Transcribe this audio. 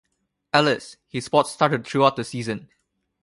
Ellis, he spot-started throughout the season.